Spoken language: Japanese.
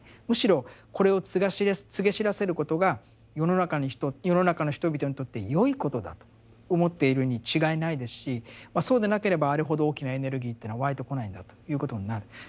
むしろこれを告げ知らせることが世の中の人々にとってよいことだと思っているに違いないですしそうでなければあれほど大きなエネルギーっていうのは湧いてこないんだということになる。